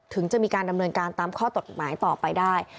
ถึงจะมีการดำเนินการตามข้อกฎหมายต่อไปได้